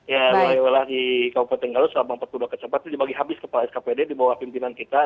ya wilayah wilayah di kabupaten galus empat ratus delapan puluh dua kecepatan dibagi habis ke pak skpd di bawah pimpinan kita